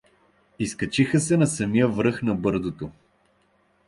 Изкачиха се на самия връх на бърдото.